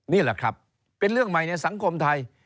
นี่แหละครับเป็นเรื่องใหม่ในสังคมไทย